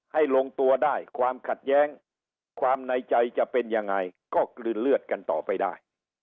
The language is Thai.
ให้ลงตัวได้ความขัดแย้งความในใจจะเป็นยังไงก็กลืนเลือดกันต่อไปได้